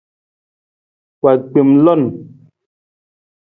Wa gbem lon.